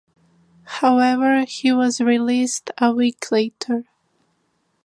However, he was released a week later.